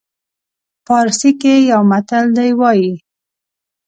پارسي کې یو متل دی وایي.